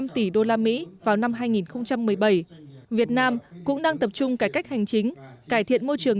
bốn trăm hai mươi năm tỷ usd vào năm hai nghìn một mươi bảy việt nam cũng đang tập trung cải cách hành chính cải thiện môi trường